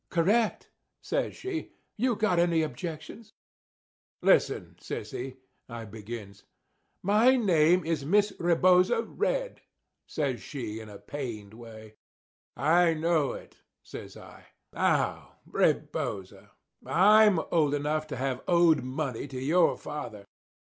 "Correct," says she. "You got any objections?" "Listen, sissy," I begins. "My name is Miss Rebosa Redd," says she in a pained way. "I know it," says I. "Now, Rebosa, I'm old enough to have owed money to your father.